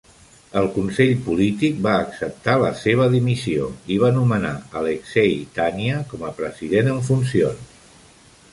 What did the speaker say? El consell polític va acceptar la seva dimissió i va nomenar Aleksei Tania com a president en funcions.